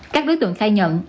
các đối tượng khai nhận